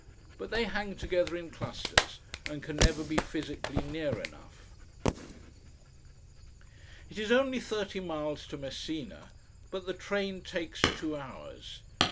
But they hang together in clusters, and can never be physically near enough. It is only thirty miles to Messina, but the train takes two hours.